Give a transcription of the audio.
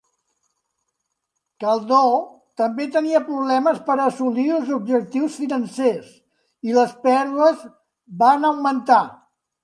Caldor també tenia problemes per assolir els objectius financers i les pèrdues van augmentar.